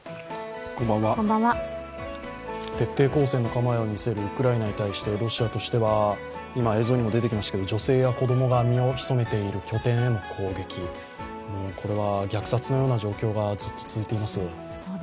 徹底抗戦の構えをみせるウクライナに対してロシアとしては今、映像にも出てきましたけれども、女性や子供が身を潜めている拠点への攻撃、もうこれは虐殺のような状況がずっと続いています。